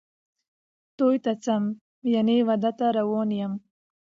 توی ته څم ،یعنی واده ته روان یم